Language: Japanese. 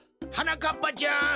はなかっぱちゃん